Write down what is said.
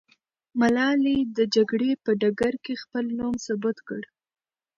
ملالۍ د جګړې په ډګر کې خپل نوم ثبت کړ.